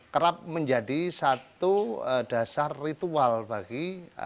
kerap menjadi satu dasar ritual bagi